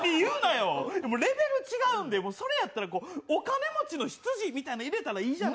レベル違うんで、それやったらお金持ちの執事みたいなの入れたらいいやない。